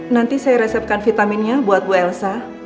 nanti saya resepkan vitaminnya buat bu elsa